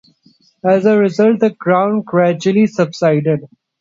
As a result, the ground gradually subsided.